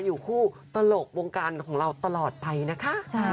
อยู่คู่ตลกวงการของเราตลอดไปนะคะ